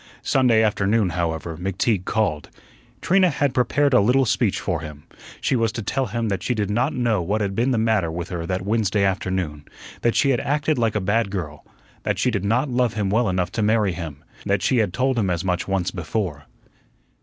Sunday afternoon, however, McTeague called. Trina had prepared a little speech for him. She was to tell him that she did not know what had been the matter with her that Wednesday afternoon; that she had acted like a bad girl; that she did not love him well enough to marry him; that she had told him as much once before.